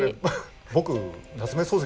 僕夏目漱石